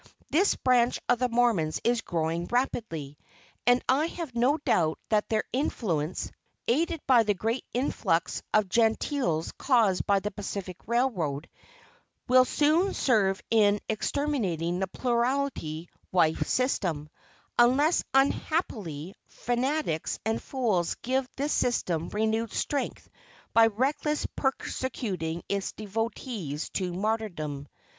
This branch of the Mormons is growing rapidly; and I have no doubt that their influence, aided by the great influx of Gentiles caused by the Pacific Railroad, will soon serve in exterminating the plurality wife system unless, unhappily, fanatics and fools give this system renewed strength by recklessly persecuting its devotees to martyrdom.